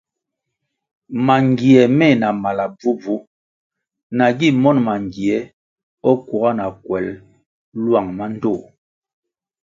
Mangie meh na mala bvubvu nagi monʼ mangie kuga na kwel lwang mandtoh.